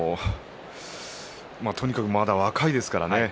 とにかくまだ若いですからね。